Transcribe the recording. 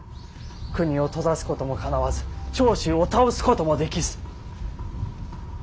国を閉ざすこともかなわず長州を倒すこともできず。